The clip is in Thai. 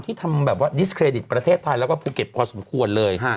ทำแบบว่าดิสเครดิตประเทศไทยแล้วก็ภูเก็ตพอสมควรเลย